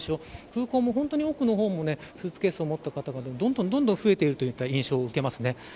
空港も本当に多くのスーツケースを持った方がどんどん増えている印象を受けます。